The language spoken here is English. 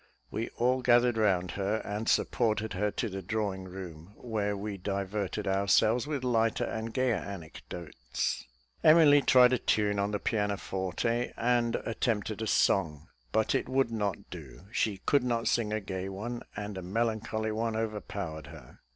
We all gathered round her, and supported her to the drawing room, where we diverted ourselves with lighter and gayer anecdotes. Emily tried a tune on the pianoforte, and attempted a song; but it would not do: she could not sing a gay one, and a melancholy one overpowered her.